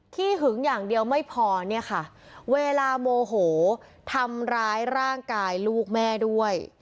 ขึงอย่างเดียวไม่พอเนี่ยค่ะเวลาโมโหทำร้ายร่างกายลูกแม่ด้วย